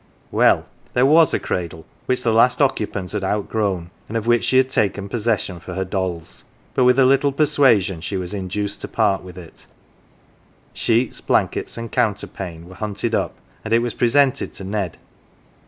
Well, there wax a cradle which the last occupant had outgrown and of which she had taken possession for her dolls ; but with a little persuasion she was induced to part with it; sheets, blankets, and counterpane were hunted up, and it was presented to Ned.